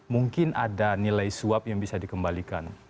mungkin ada nilai suap yang bisa dikembalikan